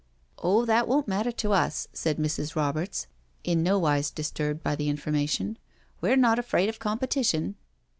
" Oh, that won't matter to us/' said Mrs. Roberts, in nowise disturbed by the information: "we're not afraid of competition.'